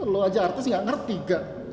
lo aja artis gak ngerti kan